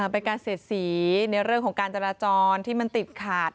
เป็นการเสียดสีในเรื่องของการจราจรที่มันติดขาด